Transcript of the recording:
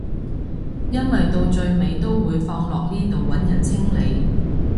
因為到最尾都會放落呢度揾人清理